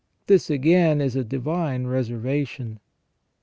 This, again, is a divine reservation.